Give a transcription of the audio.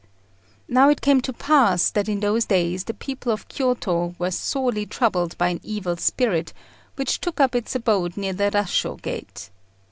Now it came to pass that in those days the people of Kiôto were sorely troubled by an evil spirit, which took up its abode near the Rashô gate.